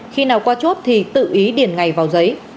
khi nào qua chốt thì tự ý điền ngày vào giấy